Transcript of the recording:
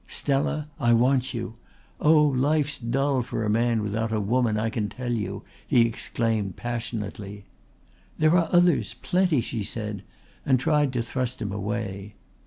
"Stella, I want you. Oh, life's dull for a man without a woman; I can tell you," he exclaimed passionately. "There are others plenty," she said, and tried to thrust him away.